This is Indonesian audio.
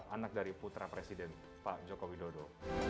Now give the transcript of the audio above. anak dari putra presiden pak joko widodo